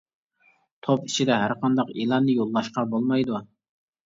توپ ئىچىدە ھەرقانداق ئېلاننى يوللاشقا بولمايدۇ.